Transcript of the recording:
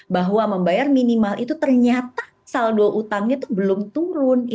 bahwa membayar minimal itu ternyata saldo utangnya itu belum turun